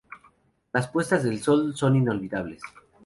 Las puestas de sol son inolvidables.